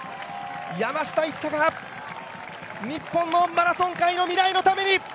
山下一貴が、日本のマラソン界の未来のために！